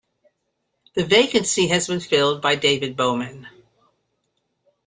The vacancy has been filled by David Bowman.